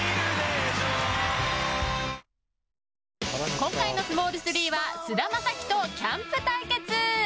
今回の「スモール３」は菅田将暉とキャンプ対決。